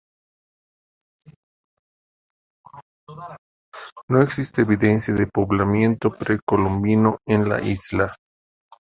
No existe evidencia de poblamiento precolombino en la isla.